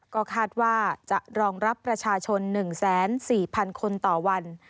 ก็คาดว่าจะรองรับประชาชน๑๔๐๐๐คนต่อวัน